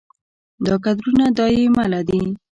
دا کدرونه دا يې مله دي